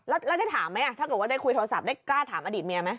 แล้วได้ถามไหมถ้าเกิดว่าได้คุยโทรศัพท์ได้กล้าถามอดีตเมียไหม